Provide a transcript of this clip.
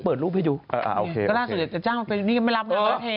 เปิดรูปให้ดูก็น่าสุดท้ายจะจ้างไปอยู่นี่ก็ไม่รับแล้ว